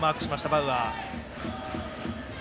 バウアー。